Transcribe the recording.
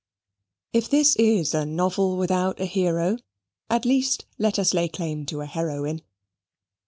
If this is a novel without a hero, at least let us lay claim to a heroine.